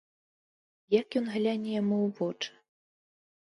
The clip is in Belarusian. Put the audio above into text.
Як ён гляне яму ў вочы?